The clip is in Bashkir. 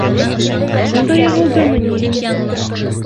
— Ул да йығылдымы ни?